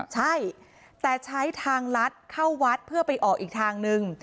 ใช่แต่ใช้ทางลัดเข้าวัดเพื่อไปออกอีกทางนึง